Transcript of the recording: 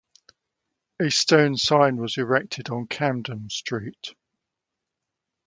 A stone sign was erected on Camden Street.